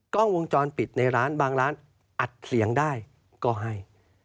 กล้องวงจรปิดในร้านบางร้านอัดเสียงได้ก็ให้